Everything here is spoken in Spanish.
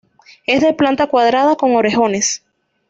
Es de planta cuadrada, con orejones.